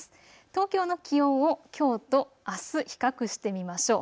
東京の気温を、きょうとあす比較してみましょう。